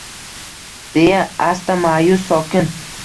Deya, asta, ma’yus, sokin